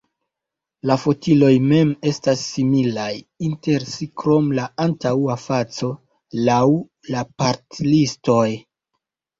La fotiloj mem estas similaj inter si krom la antaŭa faco, laŭ la part-listoj.